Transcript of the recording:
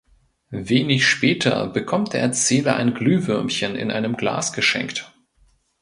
Wenig später bekommt der Erzähler ein Glühwürmchen in einem Glas geschenkt.